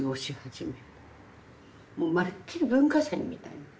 もうまるっきり文化祭みたいな。